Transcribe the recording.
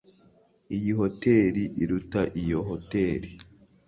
Iyi hoteri iruta iyo hoteri.